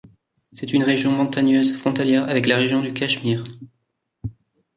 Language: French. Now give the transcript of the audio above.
C'est une région montagneuse frontalière avec la région du Cachemire.